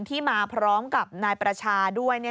ที่มาพร้อมกับนายประชาด้วย